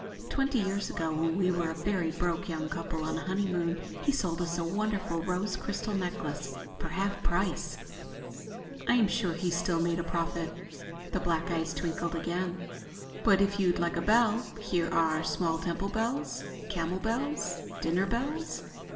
Twenty years ago when we were a very broke young couple on a honeymoon he sold us a wonderful rose crystal necklace for half price." "I'm sure he still made a profit." The black eyes twinkled again. "But if you'd like a bell, here are small temple bells, camel bells, dinner bells...."